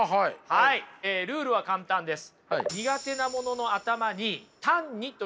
はいルールは簡単です。